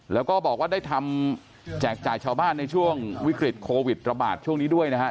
แล้วก็บอกว่าได้ทำแจกจ่ายชาวบ้านในช่วงวิกฤตโควิดระบาดช่วงนี้ด้วยนะครับ